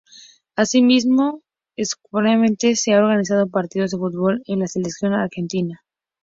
Asimismo, esporádicamente, se han organizado partidos de fútbol de la Selección Argentina.